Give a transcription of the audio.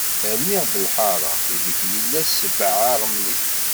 Rniɣ-d lḥara, i deg yella sbeɛ aṛemli.